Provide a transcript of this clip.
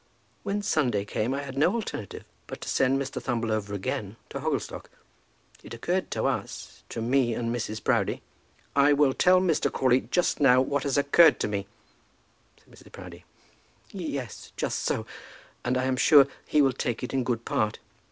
"When Sunday came, I had no alternative but to send Mr. Thumble over again to Hogglestock. It occurred to us, to me and Mrs. Proudie, " "I will tell Mr. Crawley just now what has occurred to me," said Mrs. Proudie. "Yes; just so. And I am sure that he will take it in good part.